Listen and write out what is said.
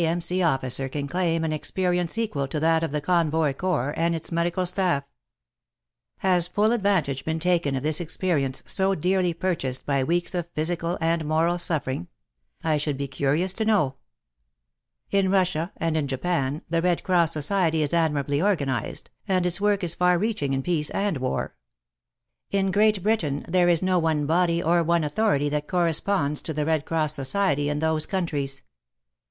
M.C. officer can claim an experience equal to that of the Convoy Corps and its medical staff. Has full advantage been taken of this experience so dearly purchased by weeks of physical and moral suffering ? I should be curious to know. In Russia and in Japan the Red Cross Society is admirably organized, and its work is far reaching in peace and war. In Great Britain there is no one body or one authority that corresponds to the Red Cross Society in those countries.